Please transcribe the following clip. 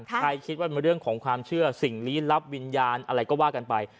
ใครคิดว่าเป็นเรื่องของความเชื่อสิ่งลี้ลับวิญญาณอะไรก็ว่ากันไป